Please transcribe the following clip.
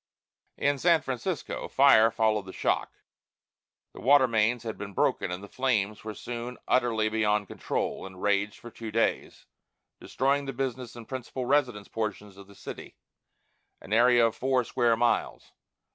In San Francisco, fire followed the shock; the water mains had been broken, and the flames were soon utterly beyond control, and raged for two days, destroying the business and principal residence portions of the city an area of four square miles.